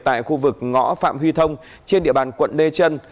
tại khu vực ngõ phạm huy thông trên địa bàn quận đề trân